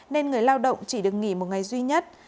nên người lao động chỉ được nghỉ một ngày duy nhất